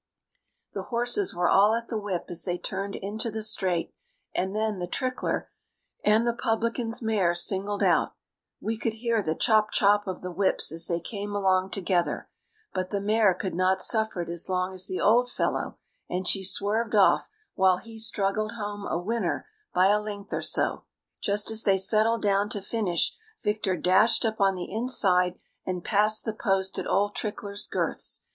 The horses were all at the whip as they turned into the straight, and then The Trickler and the publican's mare singled out. We could hear the "chop, chop!" of the whips as they came along together, but the mare could not suffer it as long as the old fellow, and she swerved off while he struggled home a winner by a length or so. Just as they settled down to finish Victor dashed up on the inside, and passed the post at old Trickler's girths.